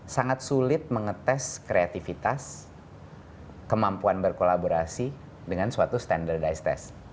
sangat sulit mengetes kreativitas kemampuan berkolaborasi dengan suatu standardized test